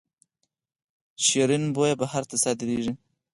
شیرین بویه بهر ته صادریږي